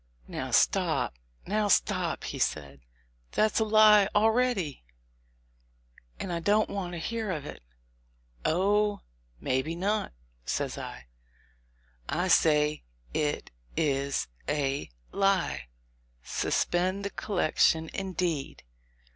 "Now stop, now stop!" says he; "that's a lie a'ready, and I don't want to hear of it." "Oh! may be not," says I. "I say it — is — a — lie. Suspend the collection, indeed